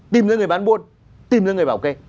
tìm ra người bán buôn tìm ra người bảo kê